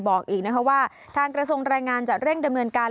บอกอีกนะคะว่าทางกระทรวงแรงงานจะเร่งดำเนินการ